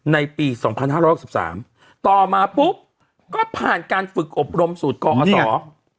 ในปี๒๕๖๓ต่อมาปุ๊บก็ผ่านการฝึกอบรมสูตรกอศ